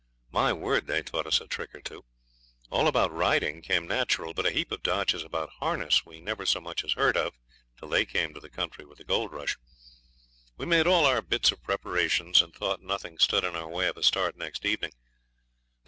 My word, they taught us a trick or two. All about riding came natural, but a heap of dodges about harness we never so much as heard of till they came to the country with the gold rush. We'd made all our bits of preparations, and thought nothing stood in the way of a start next evening.